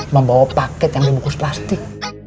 membawa paket yang dibungkus plastik